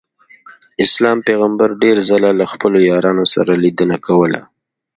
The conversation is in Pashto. اسلام پیغمبر ډېر ځله له خپلو یارانو سره لیدنه کوله.